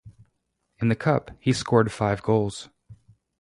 In the cup he scored five goals.